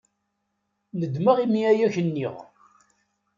Nedmeɣ imi ay ak-nniɣ.